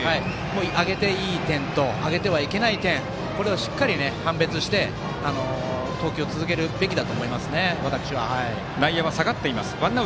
あげていい点とあげてはいけない点をしっかり判別して投球を続けるべきだと思います。